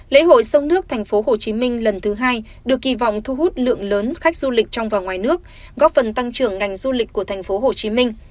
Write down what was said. lễ hội sông nước tp hcm lần thứ hai được kỳ vọng thu hút lượng lớn khách du lịch trong và ngoài nước góp phần tăng trưởng ngành du lịch của tp hcm